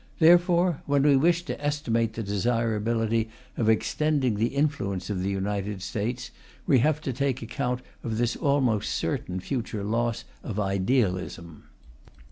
Therefore, when we wish to estimate the desirability of extending the influence of the United States, we have to take account of this almost certain future loss of idealism.